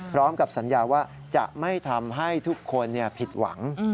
พร้อมกับสัญญาว่าจะไม่ทำให้ทุกคนผิดหวัง